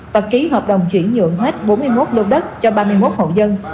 và ký hợp đồng chuyển nhượng hết bốn mươi một lô đất cho ba mươi một hộ dân